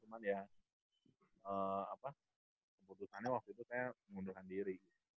cuma ya apa keputusannya waktu itu saya mengundurkan diri